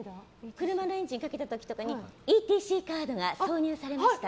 車のエンジンかけた時とかにＥＴＣカードが挿入されました。